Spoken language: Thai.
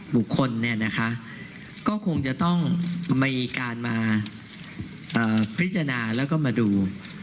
เป็นการมาพิจารณาแล้วก็มาดู